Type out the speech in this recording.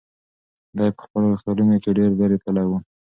دی په خپلو خیالونو کې ډېر لرې تللی و.